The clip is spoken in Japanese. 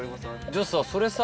じゃあさそれさ。